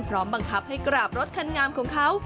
พร้อมบังคับให้กราบรถคันงามของเขา